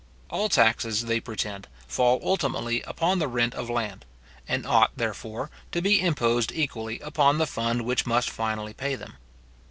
All taxes, they pretend, fall ultimately upon the rent of land, and ought, therefore, to be imposed equally upon the fund which must finally pay them.